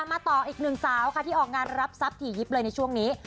มาต่ออีกหนึ่งสาวค่ะที่ออกงานรับทรัพย์ถี่ยิบเลยในช่วงนี้